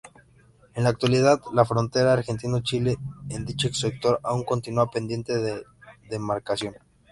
En la actualidad, la frontera argentino-chilena en dicho sector aún continua pendiente de demarcación.